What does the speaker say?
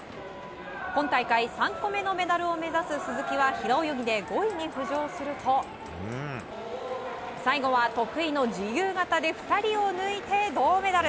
今大会３個目のメダルを目指す鈴木は平泳ぎで５位に浮上すると最後は得意の自由形で２人を抜いて、銅メダル。